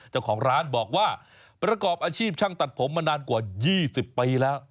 เจ้าของร้านบอกว่าประกอบอาชีพช่างตัดผมมานานกว่า๒๐ปีแล้ว